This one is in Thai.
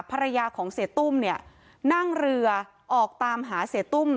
ภรรยาของเสียตุ้มเนี่ยนั่งเรือออกตามหาเสียตุ้ม